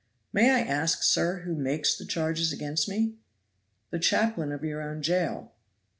"May I ask, sir, who makes the charges against me?" "The chaplain of your own jail."